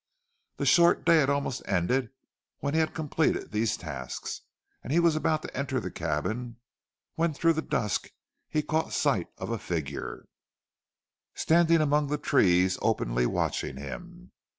The short day had almost ended when he had completed these tasks, and he was about to enter the cabin, when through the dusk he caught sight of a figure, standing among the trees openly watching him.